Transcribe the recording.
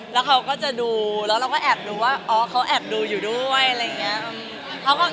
แล้วเขาก็จะดูแล้วเราก็แอบรู้ว่าอ๋อเขาแอบดูอยู่ด้วยอะไรอย่างนี้